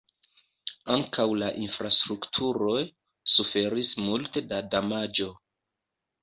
Ankaŭ la infrastrukturo suferis multe da damaĝo.